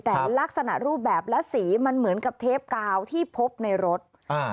แต่ลักษณะรูปแบบและสีมันเหมือนกับเทปกาวที่พบในรถอ่า